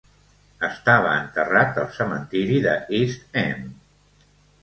Estava enterrat al cementiri de East End.